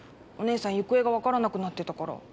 お姉さん行方がわからなくなってたから。